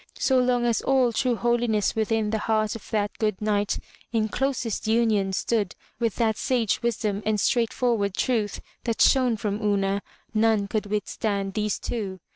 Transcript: So long as all true holiness within the heart of that good knight in closest union stood with that sage wisdom and straightforward truth that shone from Una, none could withstand these two.